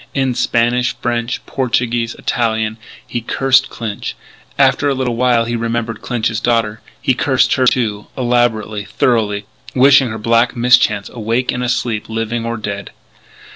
In Spanish, French, Portuguese, Italian, he cursed Clinch. After a little while he remembered Clinch's daughter, and he cursed her, elaborately, thoroughly, wishing her black mischance awake and asleep, living or dead.